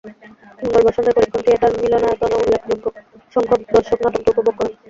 মঙ্গলবার সন্ধ্যায় পরীক্ষণ থিয়েটার মিলনায়তনে উল্লেখযোগ্যসংখ্যক দর্শক নাটকটি উপভোগ করেন।